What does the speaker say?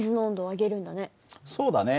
そうだね。